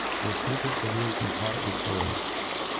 This fecret deluged his heart with joy.